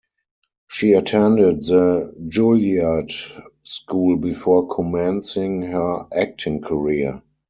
She attended the Juilliard School before commencing her acting career.